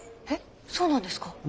えっそうなんですか？